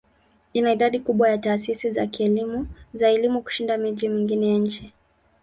Ina idadi kubwa ya taasisi za elimu kushinda miji mingine ya nchi.